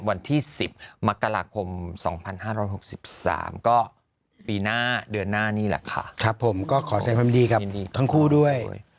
วันที่๑๐มกราคม๒๕๖๓ก็ปีหน้าเดือนหน้านี่แหละค่ะครับผมก็ขอแสดงความดีกับทั้งคู่ด้วย